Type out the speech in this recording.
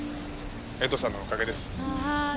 江藤さんのおかげです。